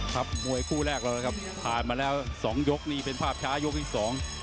ครับมวยคู่แรกเรานะครับผ่านมาแล้วสองยกนี่เป็นภาพช้ายกที่สอง